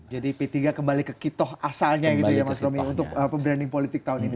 jadi p tiga kembali ke kitoh asalnya gitu ya mas romy untuk branding politik tahun ini